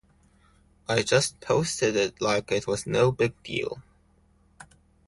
I just posted it like it was no big deal.